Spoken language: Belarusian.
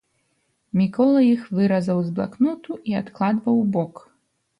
Мікола іх выразаў з блакнота і адкладваў убок.